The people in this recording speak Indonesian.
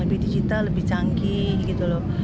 lebih digital lebih canggih gitu loh